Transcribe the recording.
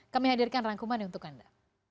kami hadirkan rangkumannya untuk anda